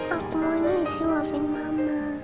aku mau nih suapin mama